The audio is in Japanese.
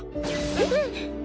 えっ？